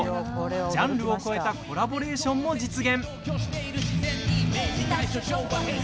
ジャンルを超えたコラボレーションも実現！